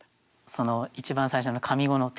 一番最初の上五の「天心に」